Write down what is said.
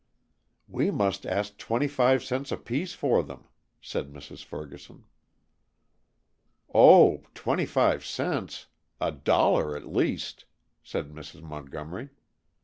"We must ask twenty five cents apiece for them," said Mrs. Ferguson. "Oh! twenty five cents! A dollar at least," said Mrs. Montgomery.